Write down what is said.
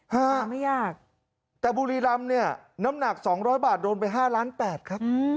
ห้าไม่ยากแต่บุรีรำเนี่ยน้ำหนักสองร้อยบาทโดนไปห้าล้านแปดครับ